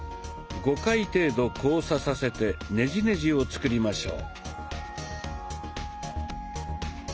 ５回程度交差させてネジネジを作りましょう。